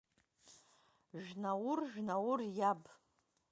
Жәнаур, жәнаур иаб…